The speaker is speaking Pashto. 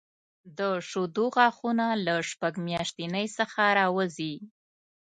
د شېدو غاښونه له شپږ میاشتنۍ څخه راوځي.